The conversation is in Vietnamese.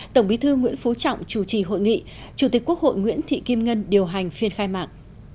tổng bí thư nguyễn phú trọng chủ trì hội nghị chủ tịch quốc hội nguyễn thị kim ngân điều hành phiên khai mạc